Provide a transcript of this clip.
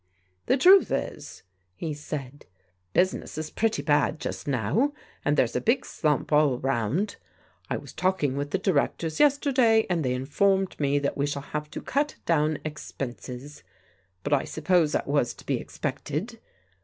"The truth is," he said, "business is pretty bad just now, and there's a big sliunp all round. I was talldng with the directors yesterday, and they informed me that we shall have to cut down expenses. But I suppose that was to be expected.